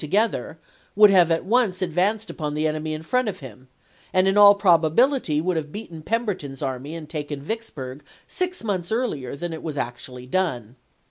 together, would have at once advanced upon the enemy in front of him, and in all probability would have beaten Pemberton's army and taken Vicks burg six months earlier than it was actually done.